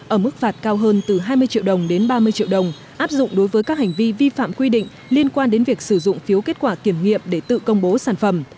ở mức phạt cao hơn từ hai mươi triệu đồng đến ba mươi triệu đồng áp dụng đối với các hành vi vi phạm quy định liên quan đến việc sử dụng phiếu kết quả kiểm nghiệm để tự công bố sản phẩm